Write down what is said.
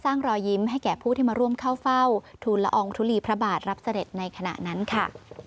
รอยยิ้มให้แก่ผู้ที่มาร่วมเข้าเฝ้าทูลละอองทุลีพระบาทรับเสด็จในขณะนั้นค่ะ